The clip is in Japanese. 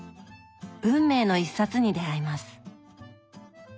運命の一冊に出会います。